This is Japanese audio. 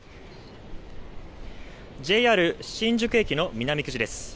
ＪＲ新宿駅の南口です。